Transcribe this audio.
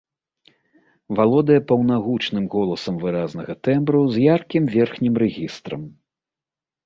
Валодае паўнагучным голасам выразнага тэмбру з яркім верхнім рэгістрам.